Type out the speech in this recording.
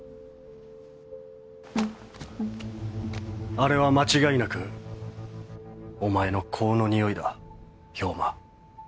あれは間違いなくお前の香のにおいだ兵馬。